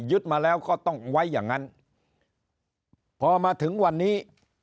มาแล้วก็ต้องไว้อย่างนั้นพอมาถึงวันนี้